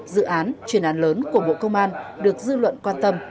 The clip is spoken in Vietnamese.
dự án chuyên án lớn của bộ công an được dư luận quan tâm